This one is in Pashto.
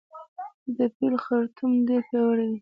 د پیل خرطوم ډیر پیاوړی وي